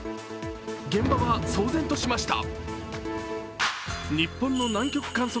現場は騒然としました。